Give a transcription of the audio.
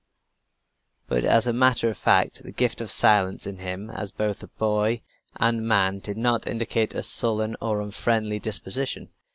But as a matter of fact the gift of silence in him as both boy and man did not indicate a sullen or unfriendly disposition.